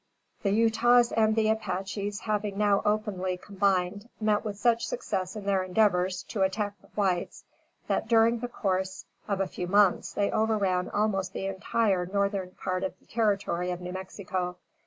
The Utahs and the Apaches, having now openly combined, met with such success in their endeavors to attack the whites, that, during the course of a few months, they overran almost the entire northern part of the territory of New Mexico.